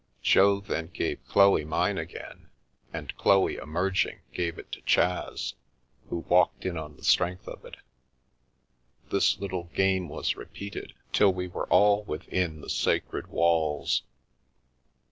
Jo then gave Chloe mine again, and Chloe emerging, gave it to Chas, who walked in on the strength of it This little game was repeated, till we were all within the sacred walls.